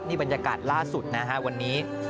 บรรยากาศล่าสุดนะฮะวันนี้